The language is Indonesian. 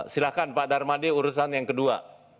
silakan pak darmadi urusan yang kedua